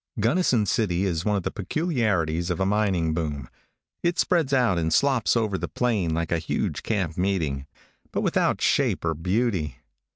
|GUNNISON CITY is one of the peculiarities of a mining boom. It spreads out and slops over the plain like a huge camp meeting, but without shape or beauty.